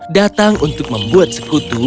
datang untuk membuat sekutu